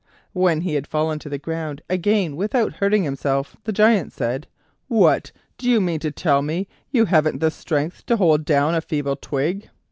When he had fallen to the ground again without hurting himself, the Giant said: "What! do you mean to tell me you haven't the strength to hold down a feeble twig?"